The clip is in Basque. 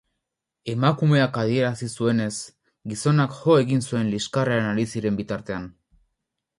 Emakumeak adierazi zuenez, gizonak jo egin zuen liskarrean ari ziren bitartean.